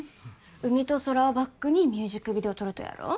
海と空をバックにミュージックビデオ撮るとやろ？